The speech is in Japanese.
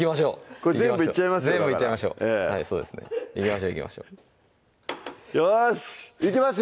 これ全部いっちゃいますよだから全部いっちゃいましょういきましょういきましょうよしいきますよ！